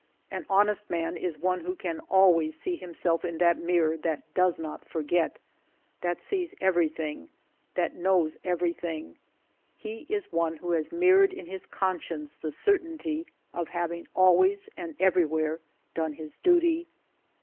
An honest man is one who can always see himself in that mirror that does not forget, — that sees everything, that knows everything ; he is one who has mirrored in his conscience the certainty of having always and everywhere done his duty.